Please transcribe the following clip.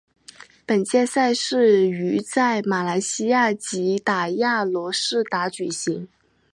本届赛事于在马来西亚吉打亚罗士打举行。